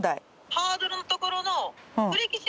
ハードルのところの。